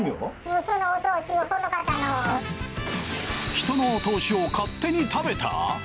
人のお通しを勝手に食べた？